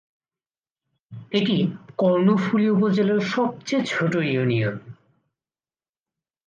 এটি কর্ণফুলী উপজেলার সবচেয়ে ছোট ইউনিয়ন।